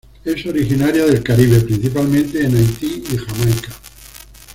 Es originaria del Caribe, principalmente en Haití y Jamaica.